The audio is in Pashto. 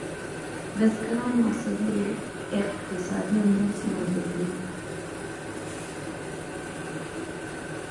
بزګرانو عصبي او اقتصادي امنیت نه درلود.